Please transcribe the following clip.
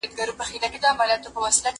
زه به د کتابتون پاکوالی کړی وي،